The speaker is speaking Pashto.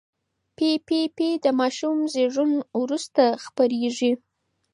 پي پي پي د ماشوم زېږون وروسته خپرېږي.